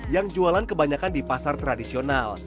yang jualan kebanyakan di pasar tradisional